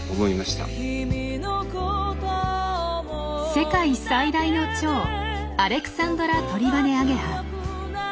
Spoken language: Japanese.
世界最大のチョウアレクサンドラトリバネアゲハ。